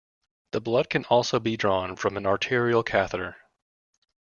The blood can also be drawn from an arterial catheter.